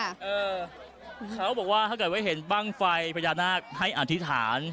เขาบอกว่าถ้าเกิดว่าเห็นบ้างไฟพญานาคให้อธิษฐาน